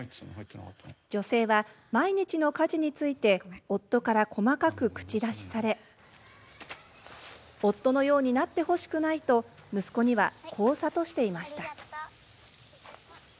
女性は毎日の家事について夫から細かく口出しされ夫のようになってほしくないと息子には、こう諭していました。